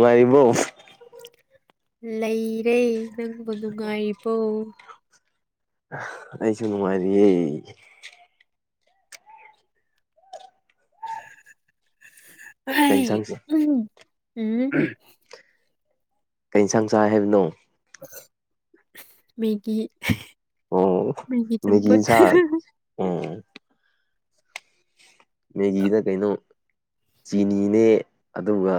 ꯂꯥꯏꯔꯤꯕ ꯂꯩꯔꯦ ꯅꯪꯕꯨ ꯅꯨꯡꯉꯥꯏꯔꯤꯕꯣ ꯑꯩꯁꯨꯅ ꯃꯥꯔꯤ [inaudible] ꯀꯩꯅ ꯆꯪꯁ ꯎꯝ ꯎꯝ ꯀꯩ ꯌꯦꯟꯁꯥꯡ ꯆꯥꯏ ꯍꯥꯏꯕꯅꯣ ꯃꯦꯒꯤ ꯑꯣ ꯃꯦꯒꯤ ꯏꯟꯁꯥꯟ ꯎꯝ ꯃꯦꯒꯤꯗ ꯀꯩꯅꯣ ꯆꯤꯅꯤꯅꯦ ꯑꯗꯨꯒ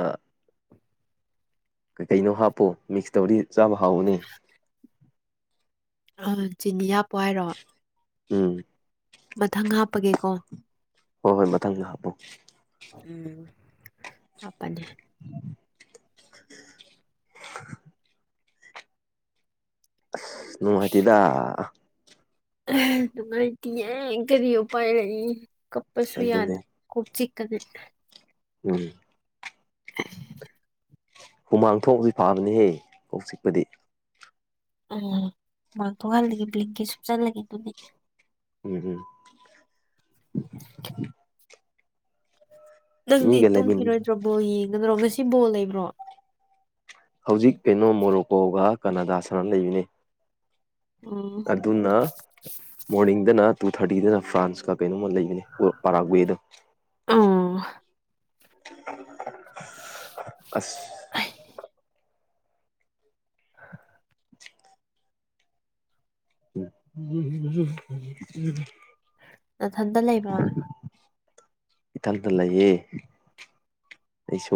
ꯀ ꯀꯩꯅꯣ ꯍꯥꯞꯄꯣ ꯃꯤꯛꯁ ꯇꯧꯗꯤ ꯆꯥꯕ ꯍꯥꯎꯕꯅꯦ ꯑ ꯆꯤꯅꯤꯌꯥ ꯄ ꯍꯥꯏꯔꯣ ꯎꯝ ꯃꯊꯪ ꯍꯥꯞꯄꯒꯦꯀꯣ ꯍꯣꯏ ꯍꯣꯏ ꯃꯊꯪꯗ ꯍꯥꯞꯄꯨ ꯎꯝ ꯍꯥꯄꯅꯦ [unintelligible] ꯅꯨꯡꯃꯥꯏꯇꯗ ꯉꯥꯏꯗꯤ ꯑꯦ ꯀꯔꯤ ꯎ ꯄꯥꯏ ꯂꯩꯛ ꯀꯞꯄꯁꯨ ꯑꯗꯨꯅꯦ ꯌꯥꯗ ꯀ ꯆꯤ ꯀꯗꯤ ꯎꯝ [unintelligible] ꯍꯨꯃꯥꯡ ꯊꯣꯡꯕꯗꯤ ꯐꯥꯕꯅꯤꯍꯦ ꯀ ꯆꯤꯛꯄꯗꯤ ꯎꯝ ꯃꯥꯡꯊꯣꯛꯍꯜꯂꯒꯦ ꯕ꯭ꯂꯤꯡ ꯀꯩ ꯁꯨꯞꯆꯜꯂꯒꯦ ꯑꯗꯨꯅꯦ ꯎꯝ ꯎꯝ [unintelligible] ꯅꯪꯗꯤ ꯃꯤꯒ ꯂꯩꯃꯤꯟꯅ ꯇꯨꯝꯈꯤꯔꯣꯏꯗ꯭ꯔꯣ ꯕꯣꯜ ꯌꯦꯡꯒꯗ꯭ꯔꯣ ꯉꯁꯤ ꯕꯣꯜ ꯂꯩꯕ꯭ꯔꯣ ꯍꯧꯖꯤꯛ ꯄꯦꯅꯣ ꯃꯣꯔꯣꯀꯣꯒ ꯀꯅꯥꯗꯥ ꯁꯥꯟꯅ ꯂꯩꯕꯅꯤ ꯎꯝ ꯑꯗꯨꯅ ꯃꯣꯔꯅꯤꯡꯗꯅ ꯇꯨ ꯊꯥꯔꯇꯤꯗꯅ ꯐ꯭ꯔꯥꯟꯁ ꯀ ꯀꯩꯅꯣꯝꯃ ꯂꯩꯕꯅꯦ ꯄꯔꯥꯛ ꯋꯦꯗ ꯑꯣ ꯑꯁ ꯑꯩ, ꯎ ꯅꯊꯟꯇ ꯂꯩꯕ꯭ꯔꯥ ꯏꯊꯟꯇ ꯂꯩꯌꯦ ꯑꯩꯁꯨ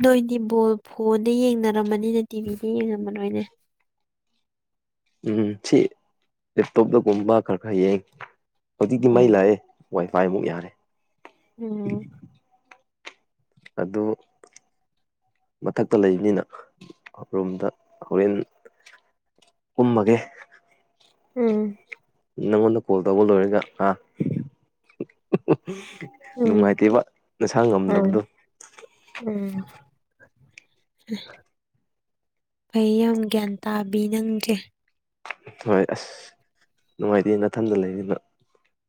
ꯅꯣꯏꯗꯤ ꯕꯣ ꯐꯣꯟꯗ ꯌꯦꯡꯅꯔꯝꯃꯅꯤꯅꯦ ꯇꯤꯚꯤꯗ ꯌꯦꯡꯉꯃ ꯅꯣꯏꯅꯦ ꯎꯝ ꯁꯤ ꯂꯦꯞꯇꯣꯞꯇꯒꯨꯝꯕ ꯈꯔ ꯈꯔ ꯌꯦꯡ ꯍꯧꯖꯤꯛꯇꯤ ꯃꯩ ꯎꯝ ꯂꯥꯛꯑꯦ ꯋꯥꯏꯐꯥꯏꯃꯨꯛ ꯌꯥꯔꯦ ꯎꯝ ꯑꯗꯨ ꯃꯊꯛꯇ ꯂꯩꯕꯅꯤꯅꯔꯣꯨꯝꯝꯗ ꯍꯣꯔꯦꯟ ꯎꯃꯒꯦ ꯎꯝ ꯅꯪꯉꯣꯟꯗ ꯀꯣꯜ ꯇꯧꯕ ꯂꯣꯏꯔꯒ ꯑꯥ ꯎꯝ ꯅꯨꯡꯉꯥꯏꯇꯦꯕ ꯅꯁꯥ ꯉꯝꯗꯕꯗꯣ ꯎꯝ ꯎꯝ ꯐꯩ ꯌꯥꯝ ꯒ꯭ꯌꯥꯟ ꯇꯥꯕꯤ ꯅꯪꯁꯦ ꯍꯣꯏ ꯑꯁ ꯅꯨꯡꯉꯥꯏꯇꯦ ꯅꯥꯊꯟꯗ ꯂꯩꯅꯤꯅ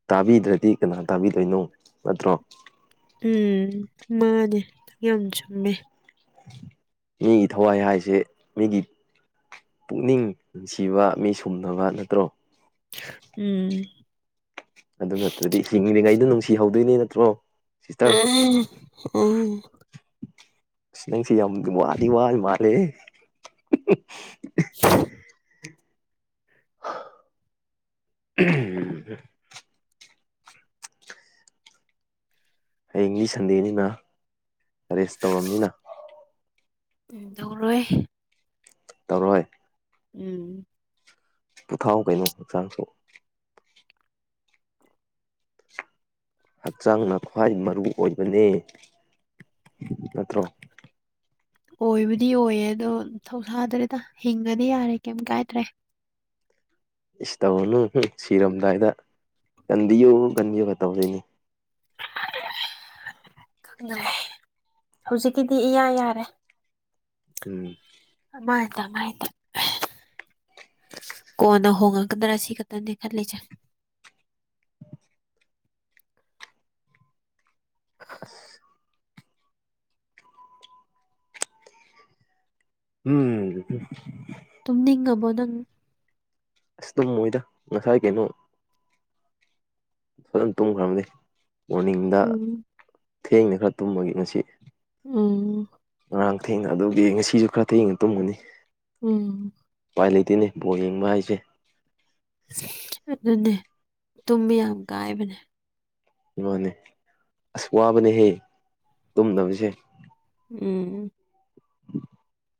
ꯇꯥꯕꯤꯗ꯭ꯔꯗꯤ ꯀꯅꯥ ꯇꯥꯕꯤꯗꯣꯏꯅꯣ ꯅꯠꯇ꯭ꯔꯣ ꯎꯝ ꯃꯥꯅꯦ ꯌꯥꯝ ꯆꯨꯝꯃꯦ ꯃꯤꯒꯤ ꯊꯋꯥꯏ ꯍꯥꯏꯁꯦ ꯃꯤꯒꯤ ꯄꯨꯛꯅꯤꯡ ꯅꯨꯡꯁꯤꯕ ꯃꯤ ꯁꯨꯝꯅꯕ ꯅꯠꯇ꯭ꯔꯣ ꯎꯝ ꯑꯗꯨ ꯅꯠꯇ꯭ꯔꯗꯤ ꯍꯤꯡꯂꯤꯉꯩꯗ ꯅꯨꯡꯁꯤꯍꯧꯗꯣꯏꯅꯦ ꯅꯠꯇ꯭ꯔꯣ ꯁꯤꯁꯇꯔ [unintelligible] ꯎꯝ ꯑꯁ ꯅꯪꯁꯨ ꯌꯥꯝ ꯋꯥꯗꯤ ꯋꯥꯔꯤ ꯃꯥꯜꯂꯦꯍꯦ ꯎꯝ [unintelligible] ꯍꯌꯦꯡꯗꯤ ꯁꯟꯗꯦꯅꯤꯅ ꯔꯦꯁ ꯇꯧꯔꯝꯅꯤꯅꯥ ꯗꯧꯔꯣꯏ ꯇꯧꯔꯣꯏ ꯎꯝ ꯄꯨꯊꯥꯎ ꯀꯩꯅꯣ ꯍꯥꯛꯆꯥꯡꯁꯣꯛ ꯍꯥꯛꯆꯥꯡꯅ ꯈ꯭ꯋꯥꯏ ꯃꯔꯨ ꯑꯣꯏꯕꯅꯦ ꯅꯠꯇ꯭ꯔꯣ ꯑꯣꯏꯕꯨꯗꯤ ꯑꯣꯏꯌꯦ ꯑꯗꯣ ꯊꯧꯁꯥꯗ꯭ꯔꯦꯗ ꯍꯤꯡꯉꯗꯤ ꯌꯥꯔꯦ ꯀꯩꯝ ꯀꯥꯏꯗ꯭ꯔꯦ ꯏꯁ ꯇꯧꯔꯅꯨ ꯁꯤꯔꯝꯗꯥꯏꯗ ꯀꯟꯗꯤꯌꯣ ꯀꯟꯕꯤꯌꯣꯒ ꯇꯧꯗꯣꯏꯅꯤ [unintelligible] ꯈꯪꯗꯔꯦ ꯍꯧꯖꯤꯛꯀꯤꯗꯤ ꯏꯌꯥ ꯌꯥꯔꯦ ꯎꯝ ꯀꯦꯝ ꯍꯥꯏꯗꯦ [inaudible] ꯀꯣꯟꯅ ꯍꯣꯡꯉꯥꯛꯀꯗꯔ ꯁꯤꯈꯠꯇꯅꯦ ꯈꯜꯂꯤꯁꯤ ꯑꯁ [inaudible] ꯎꯝ ꯇꯨꯝꯅꯤꯡꯉꯕꯣ ꯅꯪ ꯑꯁ ꯇꯨꯝꯃꯣꯏꯗ ꯉꯁꯥꯏ ꯀꯩꯅꯣ ꯐꯖꯅ ꯇꯨꯝꯈ꯭ꯔꯕꯅꯤ ꯃꯣꯔꯅꯤꯡꯗ ꯎꯝ ꯊꯦꯡꯅ ꯈꯔ ꯇꯨꯝꯕꯒꯤ ꯉꯁꯤ ꯎꯝ ꯉꯔꯥꯡ ꯊꯦꯡꯅ ꯑꯗꯨꯒꯤ ꯉꯁꯤꯁꯨ ꯈꯔ ꯊꯦꯡꯅ ꯇꯨꯝꯒꯅꯤ ꯎꯝ ꯎꯄꯥꯢ ꯂꯩꯇꯦꯅꯦ ꯕꯣꯜ ꯌꯦꯡꯕ ꯍꯥꯏꯁꯦ ꯑꯗꯨꯅꯦ ꯇꯨꯝꯕ ꯌꯥꯝ ꯀꯥꯏꯕꯅꯦ ꯃꯥꯅꯦ ꯑꯁ ꯋꯥꯕꯅꯦꯍꯦ ꯇꯨꯝꯗꯕꯁꯦ ꯎꯝ [unintelligible]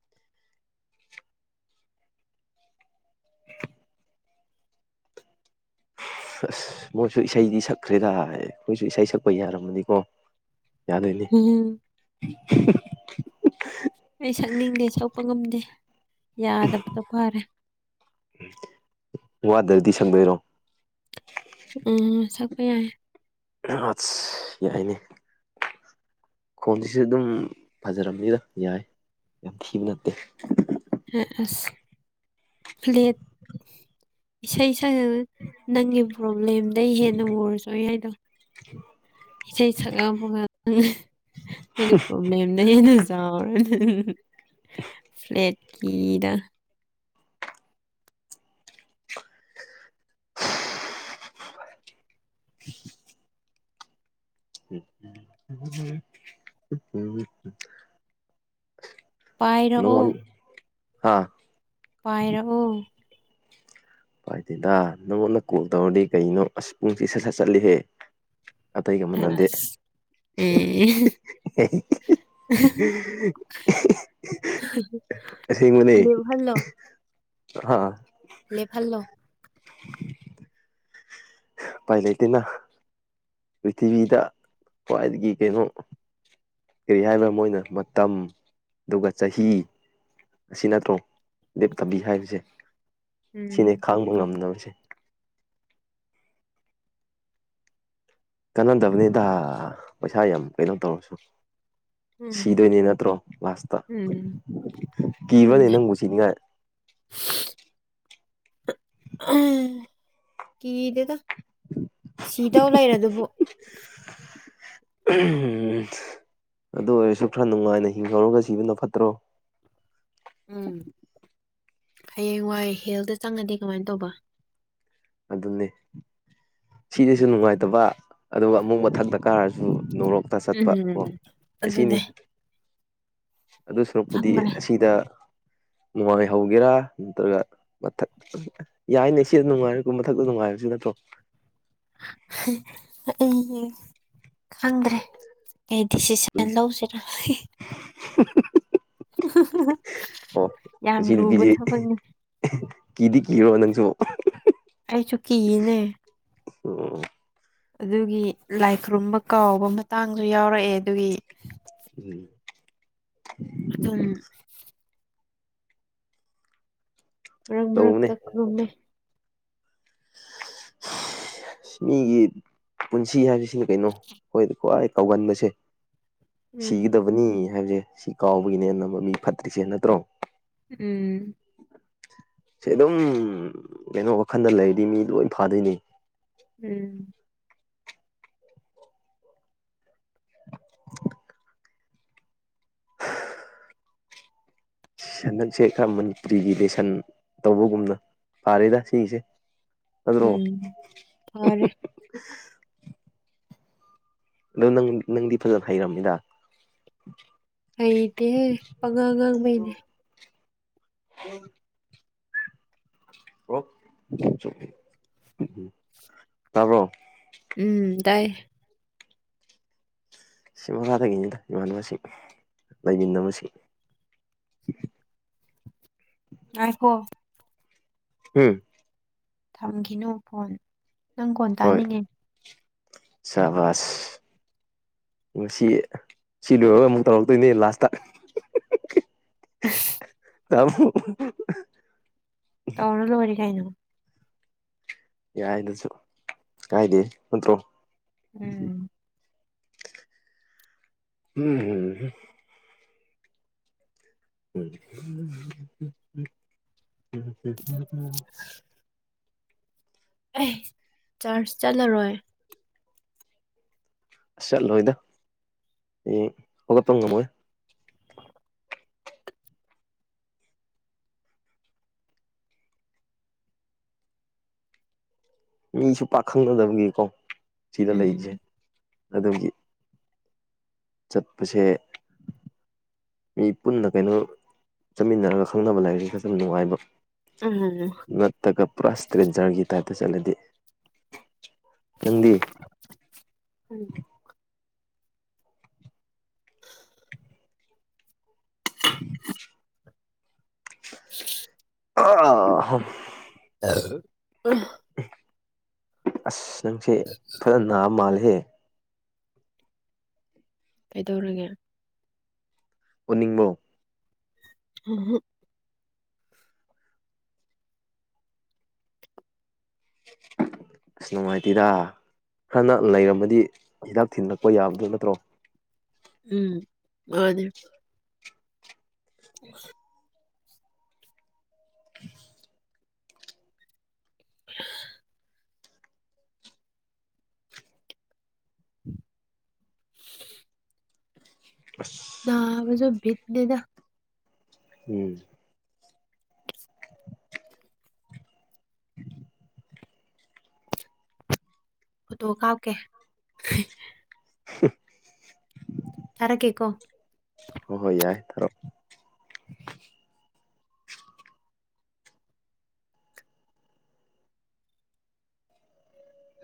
ꯑꯁ ꯃꯣꯏꯁꯨ ꯏꯁꯩꯗꯤ ꯁꯛꯈ꯭ꯔꯦꯗ ꯑꯩꯈꯣꯢꯁꯨ ꯏꯁꯩ ꯁꯛꯄ ꯌꯥꯔꯝꯃꯗꯤꯀꯣ ꯌꯥꯔ ꯏꯅꯤ [inaudible] ꯎꯝ ꯑꯩ ꯁꯛꯅꯤꯡꯗꯦ ꯁꯣꯛꯄ ꯉꯝꯗꯦ ꯌꯥꯗꯕꯗꯣ [inaudible] ꯐꯔꯦ ꯋꯥꯗꯔꯗꯤ ꯁꯪꯗꯣꯏꯔꯣ ꯎꯝ ꯁꯛꯄ ꯌꯥꯏ ꯑꯠ ꯌꯥꯏꯅꯦ ꯈꯣꯟꯁꯤꯁꯨ ꯑꯗꯨꯝ ꯐꯖꯔꯝꯅꯤꯗ ꯌꯥꯏ ꯌꯥꯝ ꯊꯤꯕ ꯅꯠꯇꯦ ꯑ ꯑꯁ [inaudible] ꯂꯦꯠ ꯏꯁꯩ ꯅꯪꯒꯤ ꯄ꯭ꯔꯣꯕ꯭ꯂꯦꯝꯗꯩ ꯍꯦꯟꯅ ꯎꯔꯁꯨ ꯑꯩꯅꯥ ꯍꯥꯏꯗꯣ [inaudible] ꯏꯁꯩ ꯁꯛꯂꯛꯄꯒ ꯅꯪꯒꯤ ꯄ꯭ꯔꯣꯕ꯭ꯂꯦꯝꯅ ꯍꯦꯟꯅ ꯆꯥꯎꯔꯅꯤ ꯐ꯭ꯂꯦꯠ ꯀꯤꯗ [inaudible] [inaudible] [unintelligible] [inaudible] ꯄꯥꯏꯔꯛꯑꯣ ꯍꯥꯥ [inaudible] ꯄꯥꯏꯔꯛꯎ ꯥꯏꯗꯦꯗꯥ ꯅꯪꯉꯣꯟꯅ ꯀꯣꯜ ꯇꯧꯔꯗꯤ ꯀꯩꯅꯣ ꯑꯁ ꯄꯨꯡꯁꯤ ꯁꯠ ꯁꯠ ꯆꯠꯂꯤꯍꯦ ꯑꯇꯩꯒ ꯅꯟꯗꯦ [inaudible] ꯑꯁ ꯎꯝ ꯌꯦꯚꯜꯣ ꯍꯥ ꯂꯦ ꯐꯜꯣ [inaudible] ꯄꯥꯏ ꯂꯩ ꯏꯇꯦꯅ ꯄ꯭ꯔꯤꯊꯤꯕꯤꯗ ꯈ꯭ꯋꯥꯏꯗꯒꯤ ꯀꯩꯅꯣ ꯀꯔꯤ ꯍꯥꯏꯕ ꯃꯣꯏꯅ ꯃꯇꯝ ꯑꯗꯨꯒ ꯆꯍꯤ ꯑꯁꯤ ꯅꯠꯇ꯭ꯔꯣ ꯂꯦꯞꯇꯕꯤ ꯍꯥꯏꯕꯁꯦ ꯁꯤꯅꯦ ꯎꯝ ꯈꯥꯡꯕ ꯉꯝꯅꯕꯁꯦ ꯀꯥꯟꯅꯗꯕꯅꯤꯗ ꯄꯩꯁꯥ ꯌꯥꯝ ꯀꯩꯅꯣ ꯇꯧꯔꯁꯨ [inaudible] ꯁꯤꯗꯣꯏꯅꯦ ꯅꯠꯇ꯭ꯔꯣ ꯂꯥꯁꯇ ꯎꯝ ꯀꯤꯕ꯭ꯔꯅꯦ ꯑꯗꯨꯅꯦ ꯅꯪꯕꯨ ꯁꯤꯅꯤꯉꯥꯏ [unintelligible] ꯎꯝ ꯁꯤꯗꯨꯗ ꯁꯤꯗꯧ ꯂꯩꯔ ꯑꯗꯨꯕꯨ ꯎꯝ ꯑꯗꯨ ꯑꯣꯏꯔꯁꯨ ꯈꯔ ꯅꯨꯡꯉꯥꯏꯅ ꯍꯤꯡꯍꯧꯔꯒ ꯁꯤꯕꯅ ꯐꯠꯇ꯭ꯔꯣ ꯎꯝ ꯍꯌꯦꯡ ꯋꯥꯏ ꯍꯦꯜꯗ ꯆꯪꯉꯗꯤ ꯀꯃꯥꯏ ꯇꯧꯕ ꯑꯗꯨꯅꯤ ꯁꯤꯗꯁꯨ ꯅꯨꯡꯉꯥꯏꯇꯕ ꯑꯗꯨꯒ ꯑꯃꯨꯛ ꯃꯊꯛꯇ ꯀꯥꯔꯁꯨ ꯅꯣꯔꯣꯛꯇ ꯆꯠꯄ ꯀꯣ ꯎꯝ ꯑꯁꯤꯅꯤ ꯑꯗꯨꯅꯦ ꯑꯗꯨ ꯁꯨꯔꯨꯛꯄꯨꯗꯤ ꯈꯪꯗ꯭ꯔꯦ ꯑꯁꯤꯗ ꯅꯨꯡꯉꯥꯏꯍꯧꯒꯦꯔꯥ ꯅꯠꯇ꯭ꯔꯒ ꯃꯊꯛ ꯌꯥꯏꯅꯦ ꯁꯤ ꯅꯨꯡꯉꯥꯏꯔ ꯨꯝ ꯃꯊꯛꯇ ꯅꯨꯡꯉꯥꯏꯕ ꯁꯤ ꯅꯠꯇ꯭ꯔꯣ ꯎꯝ ꯈꯪꯗ꯭ꯔꯦ ꯑꯩ ꯗꯤꯁꯤꯖꯟ ꯂꯧꯁꯤꯔ ꯑꯣ ꯌꯥꯝ ꯉꯁꯤ ꯂꯨꯕ ꯅꯨꯄꯤꯁꯦ ꯊꯕꯛꯅꯤ ꯀꯤꯗꯤ ꯀꯤꯔꯣ ꯅꯪꯁꯨ ꯑꯩ ꯆꯨꯀꯤꯅꯦ ꯑꯣ ꯑꯗꯨꯒꯤ ꯂꯥꯏ ꯈꯨꯔꯨꯝꯕ ꯀꯥꯎꯕ ꯃꯇꯥꯡꯁꯨ ꯌꯥꯎꯔꯛꯑꯦ ꯑꯗꯨꯒꯤ ꯎꯝ ꯎꯝ ꯃꯔꯛ ꯇꯧꯕꯅꯦ ꯃꯔꯛꯛꯇꯛ ꯉꯨꯝꯃꯦ [unintelligible] ꯃꯤꯒꯤ ꯄꯨꯟꯁꯤ ꯍꯥꯏꯕꯁꯤꯅ ꯀꯩꯅꯣ ꯑꯩꯈꯣꯏꯗ ꯈ꯭ꯋꯥꯏ ꯀꯧꯒꯟꯕꯁꯦ ꯎꯝ ꯁꯤꯒꯗꯕꯅꯤ ꯍꯥꯏꯕꯁꯦ ꯁꯤ ꯀꯥꯎꯕꯒꯤꯅꯦꯅ ꯃ ꯃꯤ ꯐꯠꯇ꯭ꯔꯤꯁꯦ ꯅꯠꯇ꯭ꯔꯣ ꯎꯝ ꯁꯤ ꯑꯗꯨꯝ ꯀꯩꯅꯣ ꯋꯥꯈꯜꯗ ꯂꯩꯔꯤꯗꯤ ꯃꯤ ꯂꯣꯏ ꯐꯥꯗꯣꯏꯅꯦ ꯎꯝ [inaudible] ꯁꯟꯗꯛꯁꯦ ꯈꯔ ꯃꯟꯇ꯭ꯔꯤꯒꯤ ꯂ ꯁꯟ ꯇꯧꯕꯒꯨꯝꯅ ꯐꯥꯔꯦꯗ ꯁꯤꯁꯦ ꯎꯝ ꯐꯔ ꯑꯣꯪ ꯅꯪꯗꯤ ꯐꯖꯅ ꯍꯩꯔꯝꯃꯤꯗ ꯑꯩꯗꯤꯦ ꯑꯉꯥꯡꯉꯥꯡꯕꯩꯅꯦ ꯎꯝ ꯇꯔꯣ ꯎꯝ ꯇꯥꯏꯌꯦ ꯁꯤ ꯃꯈꯥꯗꯒꯤꯅꯤꯗ ꯏꯃꯥꯟꯅꯕꯁꯤꯡ ꯂꯩꯃꯤꯟꯅꯕꯁꯤ ꯑ ꯍꯣ ꯍꯥꯝ ꯊꯝꯈꯤꯅꯨ ꯐꯣꯟ ꯅꯪ ꯀꯣꯟ ꯇꯥꯅꯤꯡꯉꯦ ꯁꯕꯁ ꯁꯤ ꯁꯤ ꯂꯣꯏꯔꯒ ꯑꯃꯨꯛ ꯇꯧꯔꯛꯇꯣꯏꯅꯦ ꯂꯥꯁꯇ ꯎ ꯑ ꯇꯧꯅ ꯂ ꯑꯣꯏꯔ ꯀꯥꯏꯅꯣ ꯌꯥꯏꯗꯁꯨ ꯀꯥꯏꯗꯦ ꯅꯠꯇ꯭ꯔꯣ ꯎꯝ ꯎꯝ ꯎꯝ [unintelligible] ꯑꯦ ꯆꯔꯆ ꯆꯠꯂꯔꯣꯏ ꯑꯁ ꯆꯠꯂꯣꯏꯗ ꯍ ꯍꯧꯒꯠꯄ ꯉꯝꯃꯣꯏ ꯃꯤꯁꯨ ꯄꯥꯛꯈꯪꯅꯗꯕꯒꯤꯀꯣ ꯁꯤꯗ ꯂꯩꯔꯤꯁꯦ ꯎꯝ ꯑꯗꯨꯒꯤ ꯆꯠꯄꯁꯦ ꯃꯤ ꯄꯨꯟꯅ ꯀꯩꯅꯣ ꯆꯠꯃꯤꯟꯅꯔꯒ ꯈꯪꯅꯕ ꯂꯥꯏꯔꯤꯛꯁꯦ ꯈꯔꯁ ꯌꯥꯝ ꯅꯨꯡꯉꯥꯏꯕ ꯎꯝ ꯅꯠꯇꯒ ꯄꯨꯔꯥꯁꯇ꯭ꯔꯔꯤ ꯖꯥꯔꯒꯤ ꯇꯥꯏꯇ ꯆꯠꯂꯗꯤ ꯅꯗꯤ ꯎꯝ [unintelligible] ꯑ ꯑ ꯑ ꯑꯁ ꯅꯪꯁꯦ ꯐꯔ ꯅꯥꯕ ꯃꯥꯜꯜꯂꯤꯍꯦ ꯀꯩꯗꯧꯔꯒꯦ ꯎꯅꯤꯡꯕꯣ ꯑ [unintelligible] ꯏꯁꯁ ꯅꯨꯡꯉꯥꯏꯇꯦꯔ ꯈꯔꯅ ꯂꯩꯔꯝꯃꯗꯤ ꯍꯤꯗꯥꯛ ꯊꯤꯂꯛꯄ ꯌꯥꯕꯗꯣ ꯅꯠꯇ꯭ꯔꯣ ꯎꯝ ꯑꯗ ꯎ [unintelligible] [unintelligible] ꯑꯁ ꯕꯁꯨ ꯤꯠꯅꯦꯗ ꯎꯝ [unintelligible] ꯐꯣꯇꯣ ꯀꯥꯞ ꯀꯦ [unintelligible] ꯆꯔ ꯀꯦꯀꯣ ꯍꯣꯏ ꯍꯣꯏ ꯌꯥꯏ ꯊꯔꯣ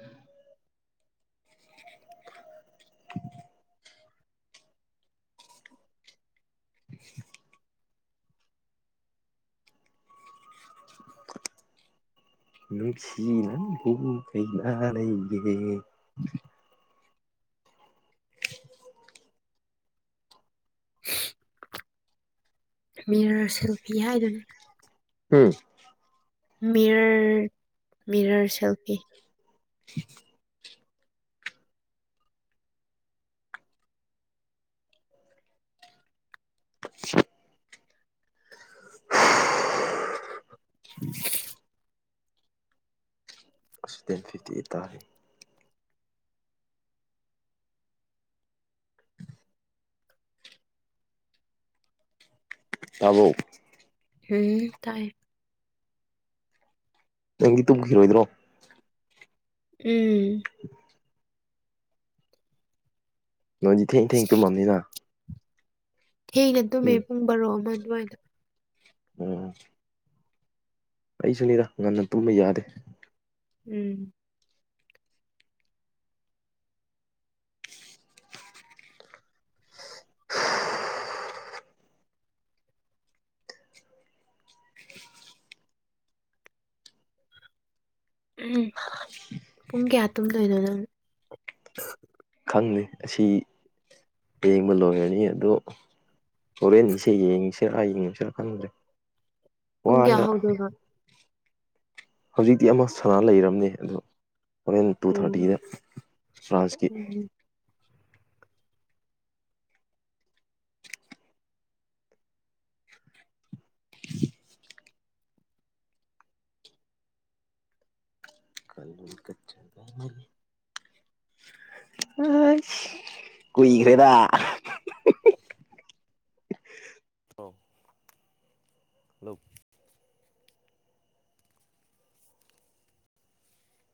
ꯎꯝ [unintelligible] [unintelligible] ꯅꯨꯡꯁꯤ ꯅꯕꯨꯒꯅꯥ ꯂꯩꯌꯦꯦ ꯃꯤꯔꯔ ꯁꯦꯜꯐꯤ ꯍꯥꯏꯗꯨꯅꯤ ꯎꯝ ꯃꯤꯔꯔ ꯃꯤꯔꯔ ꯁꯦꯜꯐꯤ [unintelligible] [unintelligible] ꯎꯝ ꯑꯗꯦꯟ ꯐꯤꯛꯇꯤ ꯇꯥꯔꯤꯦ ꯇꯥꯕꯣ ꯎꯝ ꯇꯥꯏ ꯅꯪꯗꯤ ꯇꯨꯝꯈꯤꯔꯣꯏꯗ꯭ꯔꯣ ꯎꯝ ꯅ ꯊꯦꯡ ꯊꯦꯡ ꯇꯨ ꯃꯝꯅꯤꯅ ꯍꯩꯅ ꯇꯨꯝꯃꯦ ꯄꯨꯡ ꯕꯥꯔꯣ ꯑꯃ ꯑꯗꯨꯋꯥꯏꯗ ꯎꯝ ꯑꯩꯁꯨꯅꯤꯗ ꯉꯟꯅ ꯇꯨꯝꯕ ꯌꯥꯗꯦ ꯎꯝ ꯎꯝ ꯄꯨꯡ ꯀꯌꯥ ꯇꯨꯝꯗꯣꯏꯅꯣꯏꯅꯣꯅꯣ ꯪꯅꯤ ꯑꯁꯤ ꯌꯦꯡꯕ ꯂꯣꯏꯔꯅꯤ ꯑꯗꯣ ꯑꯣꯣꯔꯦꯟ ꯅꯤꯡꯁ ꯌꯦ ꯅꯤꯡꯁꯔꯏꯌꯦꯡ ꯅꯤꯡꯁꯤꯔ ꯐꯥꯟꯗ꯭ꯔꯦ ꯄꯨꯡ ꯋꯥ ꯀꯌꯥ ꯍꯧꯗꯣꯏꯕ ꯍꯧꯖꯤꯛꯇꯤ ꯑꯃ ꯁꯅꯥ ꯂꯩꯔꯕꯝꯅꯦ ꯑꯗꯣ ꯍꯣꯔꯦꯟ ꯇꯨ ꯎꯝ ꯊꯥꯔꯇꯤꯗ ꯐ꯭ꯔꯥꯟꯁꯀꯤ ꯎꯝ ꯀꯜ ꯀ ꯑ ꯀꯏꯈ꯭ꯔꯦꯗ [inaudible] ꯑꯥꯎ ꯂꯨꯞ